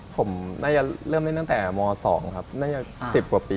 ผมน่าจะเริ่มเล่นตั้งแต่ม๒ครับน่าจะ๑๐กว่าปี